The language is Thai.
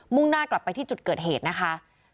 ่งหน้ากลับไปที่จุดเกิดเหตุนะคะ